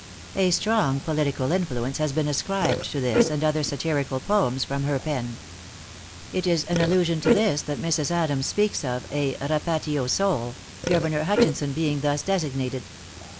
A strong political influence has been ascribed to this and other satirical poems from her pen. It is in allusion to this that Mrs. Adams speaks of "a Rapatio soul" Governor Hutchinson being thus designated.